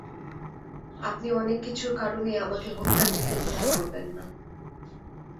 আপনি অনেক কিছুর কারণেই আমাকে হত্যা করতে দ্বিধা করবেন না।